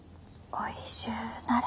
おいしゅうなれ。